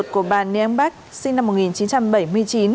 con ruột của bà niang bac sinh năm một nghìn chín trăm bảy mươi chín